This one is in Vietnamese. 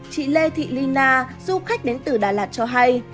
chị lê thị ly na du khách đến từ đà lạt cho hay